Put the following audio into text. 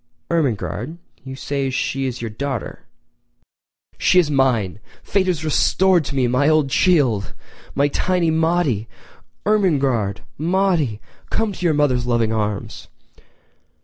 "Ermengarde—you say she is your daughter.... She is mine! Fate has restored to me my old chee ild—my tiny Maudie! Ermengarde—Maude—come to your mother's loving arms!!!"